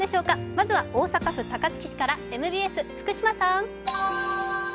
まずは大阪府高槻市からＭＢＳ、福島さん。